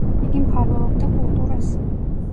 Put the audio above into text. იგი მფარველობდა კულტურას.